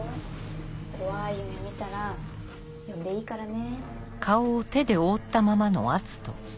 怖い夢見たら呼んでいいからね。